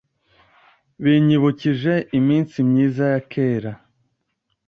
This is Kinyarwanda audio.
Binyibukije iminsi myiza ya kera.